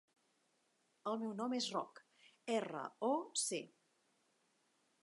El meu nom és Roc: erra, o, ce.